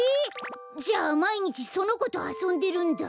じゃあまいにちそのことあそんでるんだ。